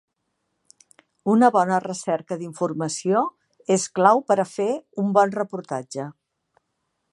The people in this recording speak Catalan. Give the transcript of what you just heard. Una bona recerca d’informació és clau per a fer un bon reportatge.